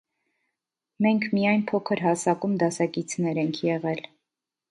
Մենք միայն փոքր հասակում դասակիցներ ենք եղել: